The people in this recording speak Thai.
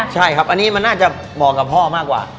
ใช่ครับอันนี้มันน่าจะเหมาะกับพ่อมากกว่า